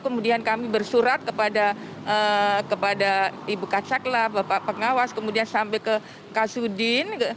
kemudian kami bersurat kepada ibu kacaklah bapak pengawas kemudian sampai ke kasudin